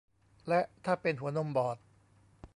และถ้าเป็นหัวนมบอด